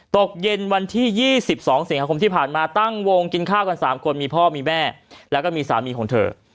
ตกเย็นวันที่๒๒สิงหาคมที่ผ่านมาตั้งวงกินข้าวกัน๓คนมีพ่อมีแม่แล้วก็มีสามีของเธอ